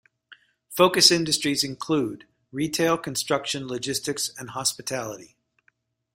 Focus industries include retail, construction, logistics and hospitality.